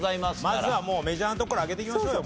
まずはメジャーなとこから開けていきましょうよ